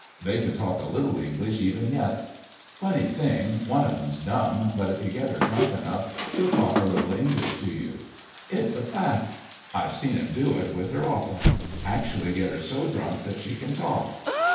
They can talk a little English even yet. Funny thing—one of 'em's dumb, but if you get her drunk enough she'll talk a little English to you. It's a fact! I've seen 'em do it with her often—actually get her so drunk that she can talk.